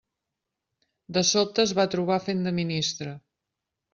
De sobte es va trobar fent de ministre.